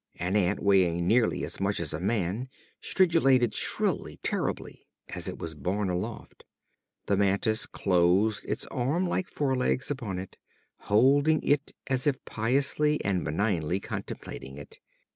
An ant weighing nearly as much as a man stridulated shrilly, terribly, as it was borne aloft. The mantis closed its arm like forelegs upon it, holding it as if piously and benignly contemplating it.